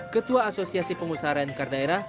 ketua asosiasi pengusaha rencar daerah